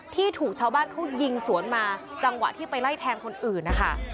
ที่ถูกชาวบ้านเขายิงสวนมาจังหวะที่ไปไล่แทงคนอื่นนะคะ